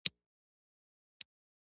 احمد له ستره کوره غږيږي.